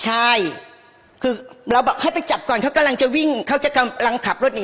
ใช่คือเราบอกให้ไปจับก่อนเขากำลังจะวิ่งเขาจะกำลังขับรถหนี